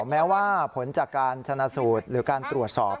แม้ว่าผลจากการชนะสูตรหรือการตรวจสอบ